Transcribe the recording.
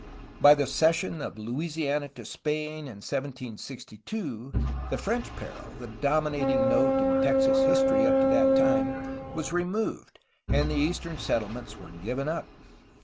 By the cession of Louisiana to Spain in 1762 the French peril, the dominating note in Texas history up to that time, was removed, and the eastern settlements were given up.